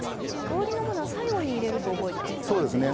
香りのものは最後に入れると覚えておいたらよいですか？